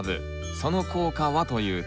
その効果はというと。